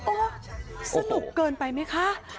สนุกเกินไปไหมคะ